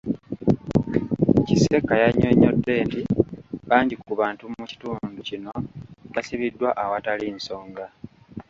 Kisekka yannyonnyodde nti bangi ku bantu mu kitundu kino basibiddwa awatali nsonga.